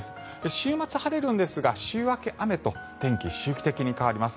週末、晴れるんですが週明け雨と天気、周期的に変わります。